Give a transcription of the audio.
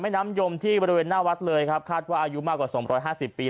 น้ำยมที่บริเวณหน้าวัดเลยครับคาดว่าอายุมากกว่า๒๕๐ปี